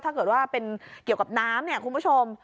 ถ้าเกิดว่าเป็นเกี่ยวกับน้ำเนี่ยคุณผู้ชม